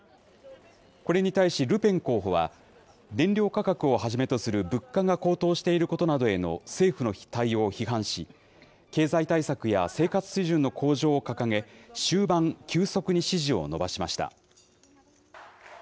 これに対しルペン候補は、燃料価格をはじめとする物価が高騰していることなどへの政府の対応を批判し、経済対策や生活水準の向上を掲げ、終盤、急速に支持を伸ばしました。